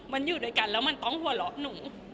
มันอยู่ด้วยกันแล้วมันต้องหัวเราะหนู